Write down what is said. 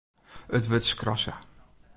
It wurd skrasse.